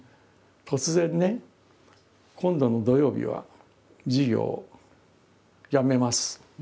突然ね「今度の土曜日は授業をやめます。